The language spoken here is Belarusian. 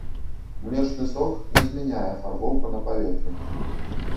Млечны сок не змяняе афарбоўку на паветры.